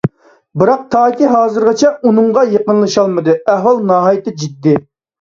بىراق، ئۇلارمۇ تاكى ھازىرغىچە ئۇنىڭغا يېقىنلىشالمىدى. ئەھۋال ناھايىتى جىددىي.